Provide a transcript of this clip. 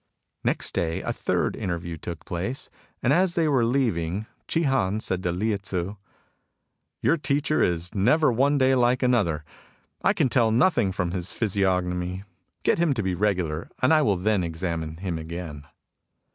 Next day a third interview took place, and as they were leaving, Chi Han said to Lieh Tzu :Your teacher is never one day like another ; I can tell nothing from his physiognomy. Gret him CONFOUNDING A MAGICIAN 66 to be regular, and I will then examine him again."